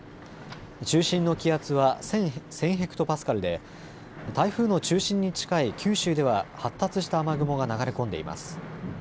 中心の気圧は１０００ｈＰａで台風の中心に近い九州では発達した雨雲が流れ込んでいます。